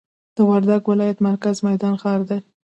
د وردګ ولایت مرکز میدان ښار دی